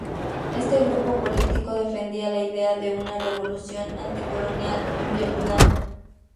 Este grupo político defendía la idea de una revolución anticolonial en Vietnam.